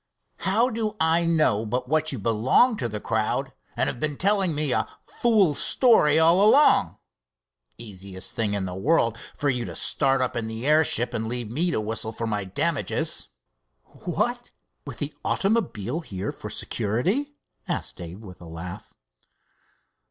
"How do I know but what you belong to the crowd and have been telling me a fool story all along? Easiest thing in the world for you to start up in the airship and leave me to whistle for my damages." "What, with the automobile here for security?" asked Dave, with a laugh.